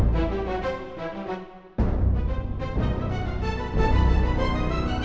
cukup gue tak inget